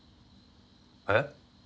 えっ？